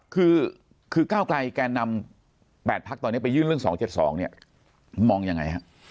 คือก้าวไกรแกนำ๘พักตอนนี้ไปยื่นเรื่อง๒๗๒มองอย่างไรครับ